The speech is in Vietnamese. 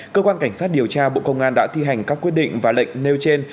cơ quan cảnh sát điều tra bộ công an đã thi hành các quyết định và lệnh nêu trên